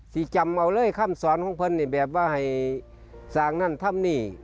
สิจำเอาเลยคำสอนของเพลินแบบว่าให้สางนั้นท่ำหนี้